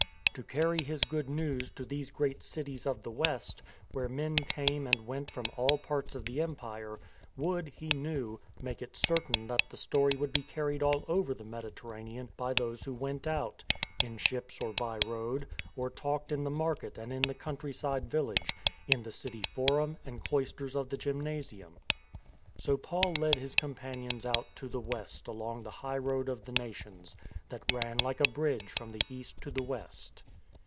To carry his Good News to these great cities of the west, where men came and went from all parts of the empire, would, he knew, make it certain that the story would be carried all over the Mediterranean by those who went out — in ships or by road, or talked in the market and in the country side village, in the city forum and cloisters of the gymnasium. So Paul led his companions out to the west along the highroad of the Nations, that ran like a bridge from the east to the west.